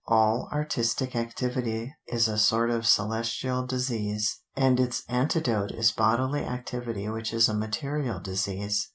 "All artistic activity is a sort of celestial disease, and its antidote is bodily activity which is a material disease.